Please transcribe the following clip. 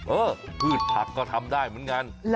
พืชผักก็ทำได้เหมือนกัน